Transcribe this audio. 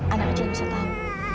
anak kecil bisa tahu